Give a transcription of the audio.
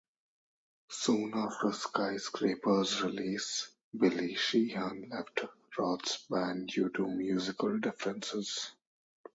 Soon after "Skyscraper"'s release, Billy Sheehan left Roth's band due to musical differences.